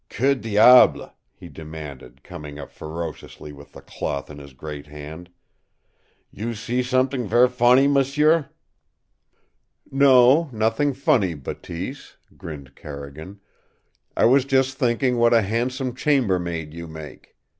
"QUE DIABLE!" he demanded, coming up ferociously with the cloth in his great hand. "You see somet'ing ver' fonny, m'sieu?" "No, nothing funny, Bateese," grinned Carrigan. "I was just thinking what a handsome chambermaid you make.